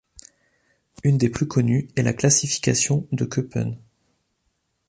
Une des plus connues est la classification de Köppen.